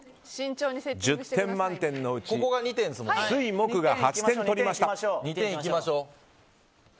１０点満点のうち水、木が８点取りました。